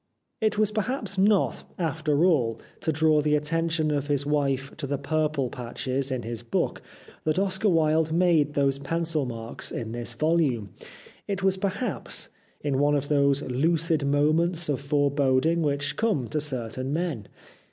It was perhaps not, after all, to draw the at tention of his wife to the purple patches in his book that Oscar Wilde made those pencil marks in this volume. It was, perhaps, in one of those lucid moments of foreboding which come to certain men.